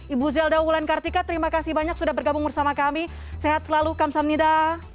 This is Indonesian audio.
ibu zelda ulan kartika terima kasih banyak sudah bergabung bersama kami sehat selalu kamsahamnida